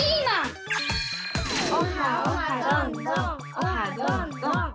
オハどんどん！